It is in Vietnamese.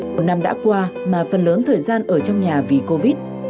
một năm đã qua mà phần lớn thời gian ở trong nhà vì covid